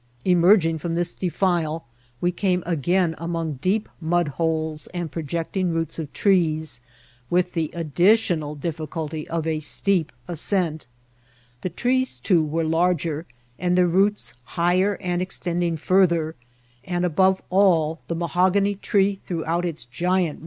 Emerging from this defile, we came again among deep mudholes and projecting roots of trees, with the addi tional difficulty of a steep ascent. The trees, too, were larger, and their roots higher and extending farther ; and, above all, the mahogany tree threw out its giant PSRIL8BYTHBWAY.